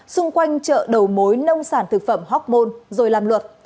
xung quanh chợ đầu mối nông sản thực phẩm hoc mon rồi làm luật